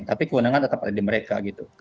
tapi kewenangan tetap ada di mereka gitu